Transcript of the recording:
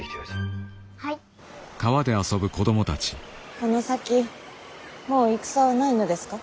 この先もう戦はないのですか？